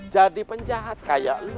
jadi penjahat kayak lu